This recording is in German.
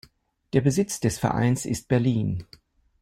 Der Sitz des Vereins ist Berlin.